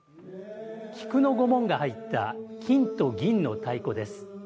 菊の御紋が入った金と銀の太鼓です。